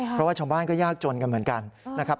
เพราะว่าชาวบ้านก็ยากจนกันเหมือนกันนะครับ